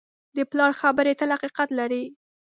د پلار خبرې تل حقیقت لري.